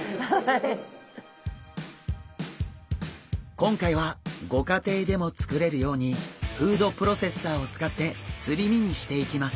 今回はご家庭でも作れるようにフードプロセッサーを使ってすり身にしていきます。